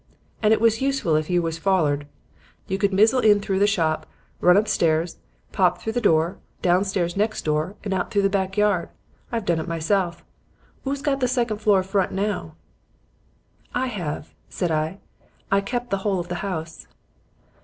And it was useful if you was follered. You could mizzle in through the shop, run upstairs, pop through the door, downstairs next door and out through the back yard. I've done it myself. 'Oo's got the second floor front now?' "'I have,' said I. 'I keep the whole of the house.'